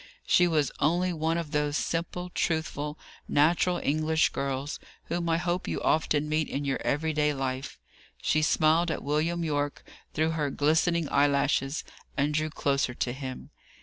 She was only one of those simple, truthful, natural English girls, whom I hope you often meet in your every day life. She smiled at William Yorke through her glistening eye lashes, and drew closer to him.